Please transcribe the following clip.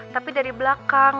tapi dari belakang